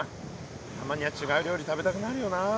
たまには違う料理食べたくなるよな。